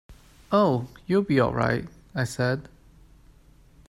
"Oh, you'll be all right," I said.